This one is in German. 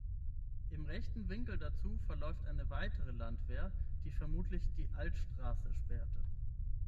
Im rechten Winkel dazu verläuft eine weitere Landwehr, die vermutlich die Altstraße sperrte.